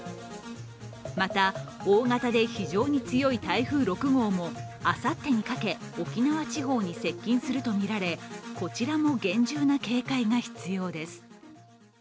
また、大型で非常に強い台風６号もあさってにかけ沖縄地方に接近するとみられ、こちらも厳重な警戒が必要です。